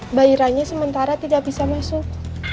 mbak ira nya sementara tidak bisa masuk